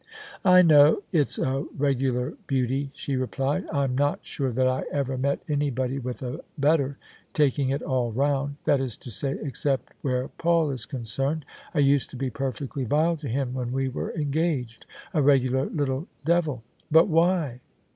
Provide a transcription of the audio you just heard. "I know: it's a regular beauty," she replied: "I'm not sure that I ever met anybody with a better, taking it all round. That is to say, except where Paul is concerned: I used to be perfectly vile to him when we were engaged: a regular little devil 1 " "But why?"